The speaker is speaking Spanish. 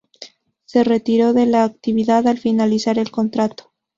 Se retiró de la actividad al finalizar el contrato.